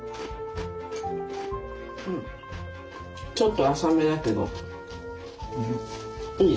ちょっと浅めだけどいい。